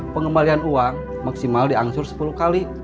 pengembalian uang maksimal diangsur sepuluh kali